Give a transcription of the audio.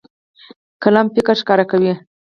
قلم فکر ښکاره کوي.